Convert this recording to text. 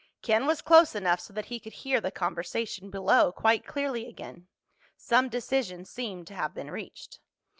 Ken was close enough so that he could hear the conversation below quite clearly again. Some decision seemed to have been reached.